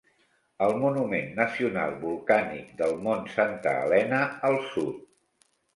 El Monument Nacional Volcànic del Mont Santa Helena al sud.